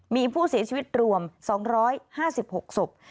มีผู้เสียชีวิตรวม๒๕๖ศพ